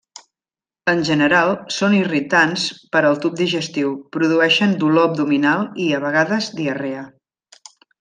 En general, són irritants per al tub digestiu; produeixen dolor abdominal i, a vegades, diarrea.